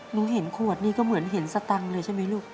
เห็นขวดนี่ก็เหมือนเห็นสตังค์เลยใช่ไหมลูก